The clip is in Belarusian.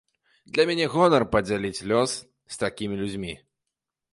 Для мяне гонар падзяліць лёс з такімі людзьмі.